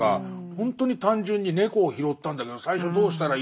ほんとに単純に「猫を拾ったんだけど最初どうしたらいいの」って。